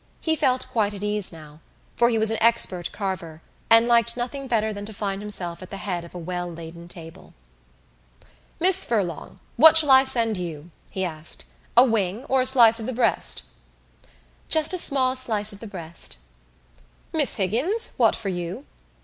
He felt quite at ease now for he was an expert carver and liked nothing better than to find himself at the head of a well laden table. "Miss Furlong, what shall I send you?" he asked. "A wing or a slice of the breast?" "Just a small slice of the breast." "Miss Higgins, what for you?"